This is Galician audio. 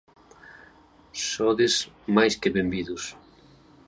Sodes máis que benvidos.